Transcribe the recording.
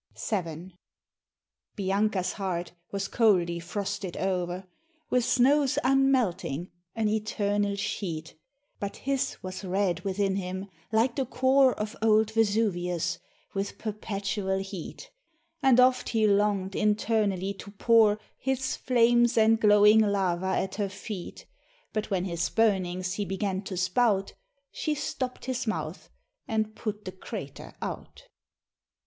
VII. Bianca's heart was coldly frosted o'er With snows unmelting an eternal sheet, But his was red within him, like the core Of old Vesuvius, with perpetual heat; And oft he longed internally to pour His flames and glowing lava at her feet, But when his burnings he began to spout. She stopp'd his mouth, and put the crater out.